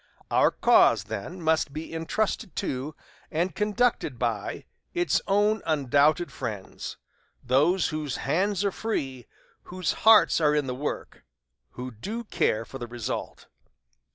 Our cause, then, must be intrusted to, and conducted by, its own undoubted friends those whose hands are free, whose hearts are in the work, who do care for the result."